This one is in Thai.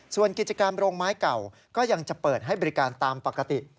ส่วนกิจกรรมโรงไม้เก่าก็ยังจะเปิดให้บริการตามปกติ